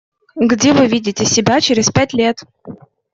Где вы видите себя через пять лет?